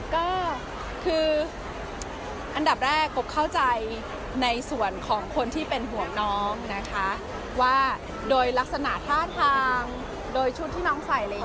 ก็คืออันดับแรกผมเข้าใจในส่วนคนลูกเจ้าที่เป็นห่วงน้องโดยลักษณะภาคทางชุดที่น้องใส่